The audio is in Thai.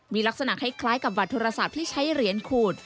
มีลักษณะให้คล้ายกับบัตรธรรมศาสตร์ที่ใช้เหรียญขูด